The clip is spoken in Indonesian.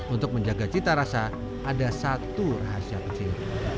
untuk menjaga cita rasa ada satu rahasia kecil